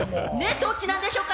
ドッチなんでしょうか？